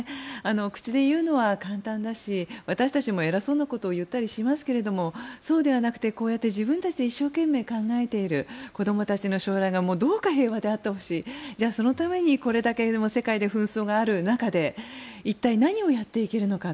口で言うのは簡単だし私たちも偉そうなことを言ったりしますけどそうではなくてこうやって自分たちで一生懸命考えている子どもたちの将来がどうか平和であってほしいじゃあ、そのためにこれだけ世界で紛争がある中で一体、何をやっていけるのか。